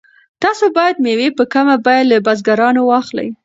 تاسو باید مېوې په کمه بیه له بزګرانو واخلئ.